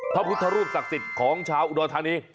พระพุทธรูปศักดิ์สิทธิ์ของชาวอุดรธานี